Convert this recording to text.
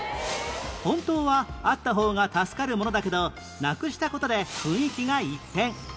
本当はあった方が助かるものだけどなくした事で雰囲気が一変